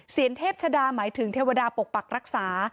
เทพชดาหมายถึงเทวดาปกปักรักษา